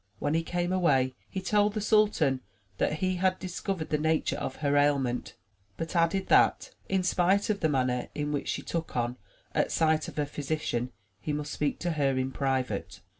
When he came away, he told the sultan that he had discovered the nature of her ailment, but added that, in spite of the manner in which she took on at sight of a physician, he must speak to her in private.